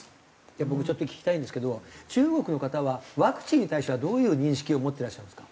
僕ちょっと聞きたいんですけど中国の方はワクチンに対してはどういう認識を持ってらっしゃるんですか？